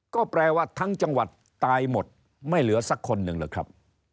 ก็แปลว่าทั้งจังหวัดตายหมดไม่เหลือสักคนหนึ่งหรือครับ